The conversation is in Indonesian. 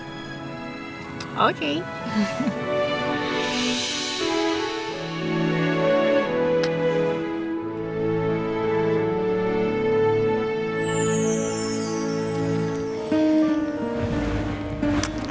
aku mau kasih sama adi sekarang aja